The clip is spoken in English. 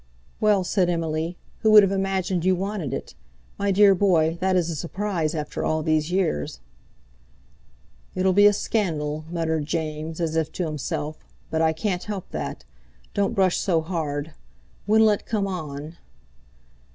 "Well," said Emily, "who would have imagined you wanted it? My dear boy, that is a surprise, after all these years." "It'll be a scandal," muttered James, as if to himself; "but I can't help that. Don't brush so hard. When'll it come on?"